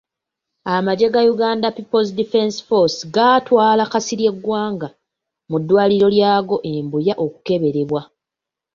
Amagye ga Uganda People's Defence Force gaatwala Kasirye Gwanga mu ddwaliro lyago e Mbuya okukeberebwa.